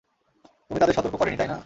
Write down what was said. তুমি তাদের সতর্কও করেনি, তাই না?